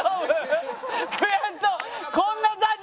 悔しそう！